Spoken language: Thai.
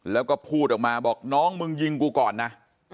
แล้วก็พูดออกมาบอกน้องมึงยิงกูก่อนนะ